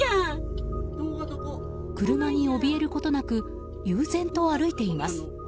車におびえることなく悠然と歩いています。